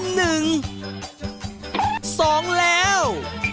หนึ่งสองแล้ว